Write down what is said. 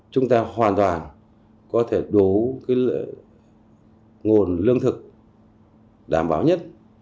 chúng ta hoàn toàn có thể đủ nguồn lương thực đảm bảo nhất